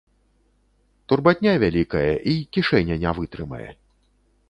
Турбатня вялікая, і кішэня не вытрымае.